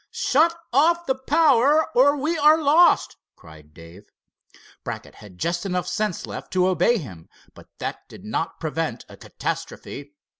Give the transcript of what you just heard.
"Shut off the power, or we are lost!" cried Dave. Brackett had just enough sense left to obey him, but that did not prevent a catastrophe.